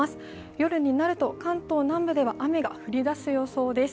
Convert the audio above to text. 夜になると関東南部では雨が降り出す予想です